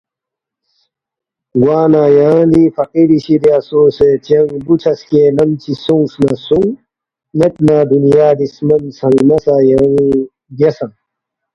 گوانہ یانگ دے فقیری شِدیا سونگسے چنگ بُوژھا سکے لم چی سونگس نہ سونگ مید نہ دُنیادی سمن ژھنگمہ سہ یان٘ی بیاسنگ